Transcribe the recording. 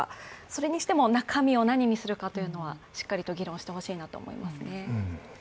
それにしても中身を何にするかというのはしっかりと議論してほしいと思いますね。